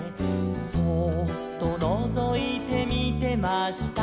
「そうっとのぞいてみてました」